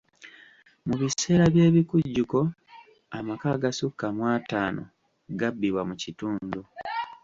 Mu biseera by'ebikujjuko, amaka agasukka mu ataano gabbibwa mu kitundu.